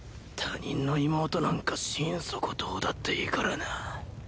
他人の妹なんか心底どうだっていいからなぁ。